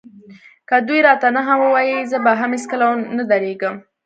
که دوی راته نه هم ووايي زه به هېڅکله ونه درېږم.